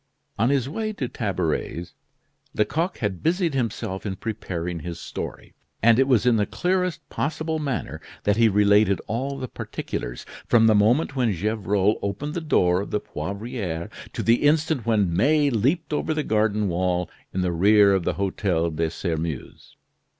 On his way to Tabaret's, Lecoq had busied himself in preparing his story; and it was in the clearest possible manner that he related all the particulars, from the moment when Gevrol opened the door of the Poivriere to the instant when May leaped over the garden wall in the rear of the Hotel de Sairmeuse.